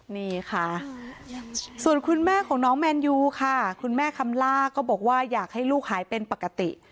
นี่ค่ะส่วนคุณแม่ของน้องแมนยูค่ะคุณแม่คำล่าก็บอกว่าอยากให้ลูกหายเป็นปกติ